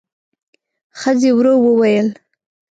ښځې ورو وويل: